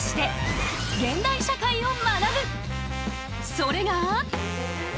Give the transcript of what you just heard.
それが。